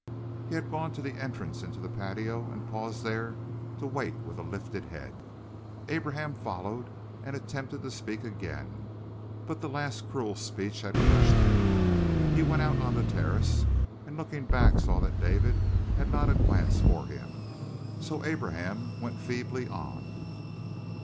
He had gone to the entrance into the patio and paused there to wait with a lifted head. Abraham followed and attempted to speak again, but the last cruel speech had crushed him. He went out on the terrace, and looking back saw that David had not a glance for him; so Abraham went feebly on.